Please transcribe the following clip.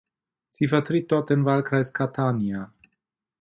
Sie vertritt dort den Wahlkreis Catania.